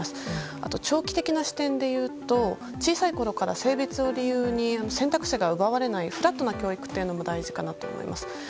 あと長期的な視点でいうと小さいころから性別を理由に選択肢が奪われないフラットな教育も大事かなと思います。